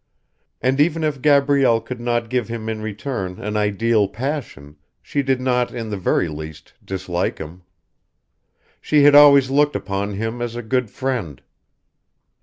And even if Gabrielle could not give him in return an ideal passion, she did not, in the very least, dislike him. She had always looked upon him as a good friend.